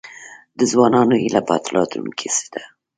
د ځوانانو هیله په راتلونکي څه ده؟